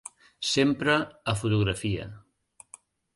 S'empra a fotografia.